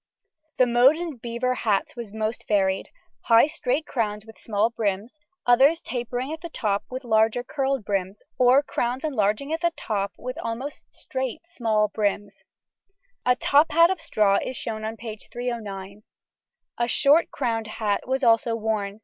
The mode in beaver hats was most varied; high straight crowns with small brims, others tapering at the top with larger curled brims, or crowns enlarging at the top with almost straight small brims; a top hat of straw is shown on page 309. A short crowned hat was also worn.